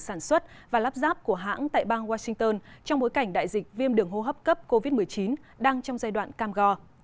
sản xuất và lắp ráp của hãng tại bang washington trong bối cảnh đại dịch viêm đường hô hấp cấp covid một mươi chín đang trong giai đoạn cam go